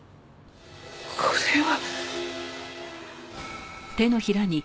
これは！